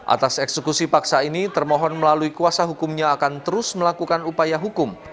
atas eksekusi paksa ini termohon melalui kuasa hukumnya akan terus melakukan upaya hukum